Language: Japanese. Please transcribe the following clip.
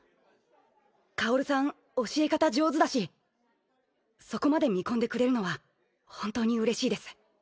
薫さん教え方上手だしそこまで見込んでくれるのは本当にうれしいです。